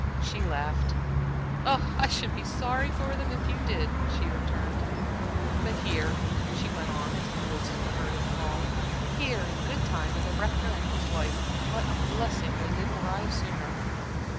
She laughed. "I should be sorry for them if you did," she returned. "But here," she went on, as voices were heard in the hall, "here, in good time, are the Rector and his wife. What a blessing they didn't arrive sooner!"